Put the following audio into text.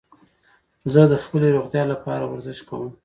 زه د خپلي روغتیا له پاره ورزش کوم.